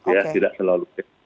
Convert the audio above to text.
tapi tetap harus